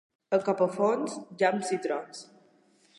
A Capafonts, llamps i trons.